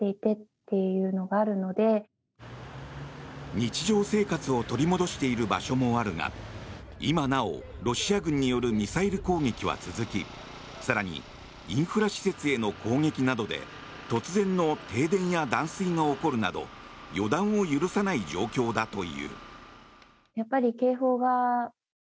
日常生活を取り戻している場所もあるが今なおロシア軍によるミサイル攻撃は続き更にインフラ施設への攻撃などで突然の停電や断水が起こるなど予断を許さない状況だという。